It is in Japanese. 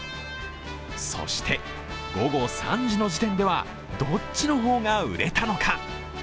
そして午後３時の時点では、どっちの方が売れたのか。